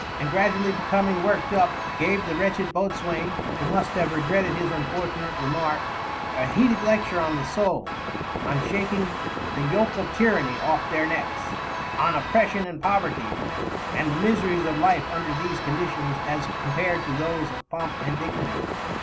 and, gradually becoming worked up, gave the wretched boatswain, who must have regretted his unfortunate remark, a heated lecture on the soul, on shaking "the Yoak of Tyranny" off their necks, on "Oppression and Poverty" and the miseries of life under these conditions as compared to those of "Pomp and Dignity."